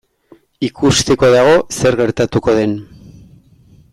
Ikusteko dago zer gertatuko den.